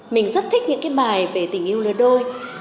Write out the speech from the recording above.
mình rất thích những cái bài về tình yêu lứa đôi